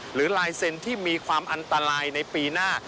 ลายเซ็นต์ที่มีความอันตรายในปีหน้า